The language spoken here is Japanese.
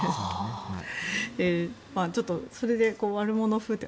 ちょっとそれで悪者風って。